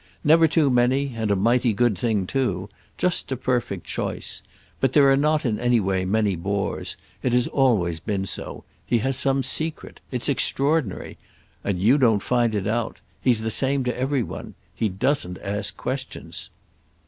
Never too many—and a mighty good thing too; just a perfect choice. But there are not in any way many bores; it has always been so; he has some secret. It's extraordinary. And you don't find it out. He's the same to every one. He doesn't ask questions.